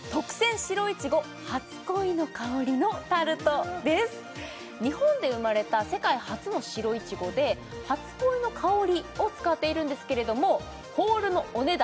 こちら日本で生まれた世界初の白いちごで初恋の香りを使っているんですけれどもホールのお値段